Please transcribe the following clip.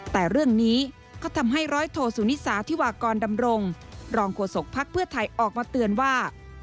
แต่เรื่องนี้ก็ทำให้ร้อยโทสุนิสาธิวากรดำรงรองโฆษกภักดิ์เพื่อไทยออกมาเตือนว่า